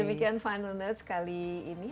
demikian final notes kali ini